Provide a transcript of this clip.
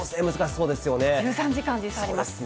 １３時間、時差あります。